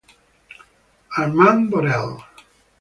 Armand Borel